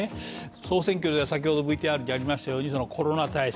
総選挙では先ほどご意見ありましたようにそのコロナ対策